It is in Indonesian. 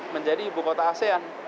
menjadi ibukota asean